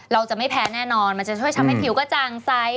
เราจะไม่แพ้แน่นอนมันจะช่วยทำให้ผิวกระจางไซส์